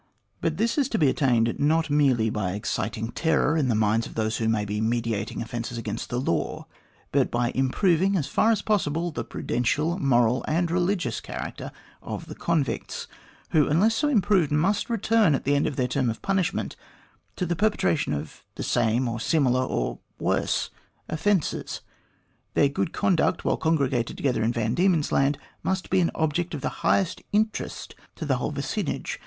But this is to be 152 THE GLADSTONE COLONY attained, not merely by exciting terror in the minds of those who may be meditating offences against the law, but by improving as far as possible the prudential, moral, and religious character of the convicts, who, unless so improved, must return at the end of their term of punishment to the perpetration of the same, or similar, or worse offences. Their good conduct, while congregated together in Van Diemen's Land, must also be an object of the highest interest to the whole vicinage.